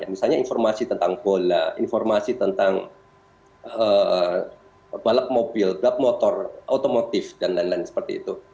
misalnya informasi tentang bola informasi tentang balap mobil glab motor otomotif dan lain lain seperti itu